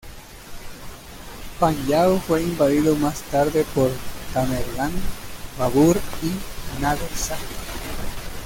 Panyab fue invadido más tarde por Tamerlán, Babur y Nader Shah.